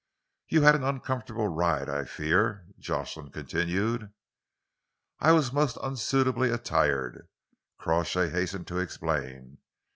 "You had an uncomfortable ride, I fear?" Jocelyn continued. "I was most unsuitably attired," Crawshay hastened to explain.